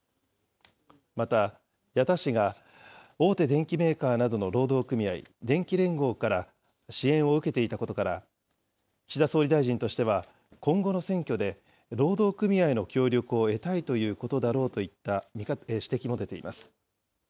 また、矢田氏が大手電機メーカーなどの労働組合、電機連合から支援を受けていたことから、岸田総理大臣としては、今後の選挙で労働組合の協力を得たいということだろうといった指摘も出ています。